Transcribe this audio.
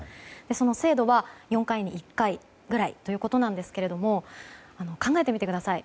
その精度は４回に１回くらいなんですが考えてみてください。